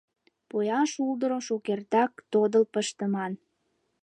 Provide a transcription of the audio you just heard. Поян шулдырым шукертак тодыл пыштыман.